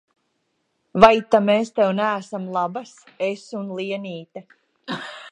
Vai ta mēs tev neesam labas, es un Lienīte?